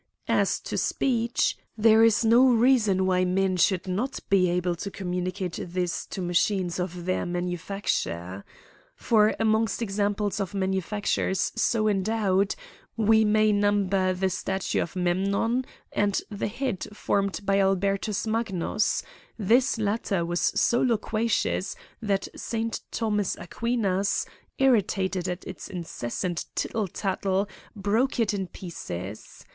As to speech, there is no reason why men should not be able to communicate this to machines of their manufacture. For amongst examples of manufactures so endowed, we may number the statue of Memnon, and the head formed by Albertus Magnus ; this latter was so loquacious that St. Thomas Aquinas, irritated at its incessant tittle tattle, broke it in pieces.